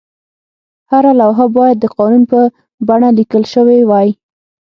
هره لوحه باید د قانون په بڼه لیکل شوې وای.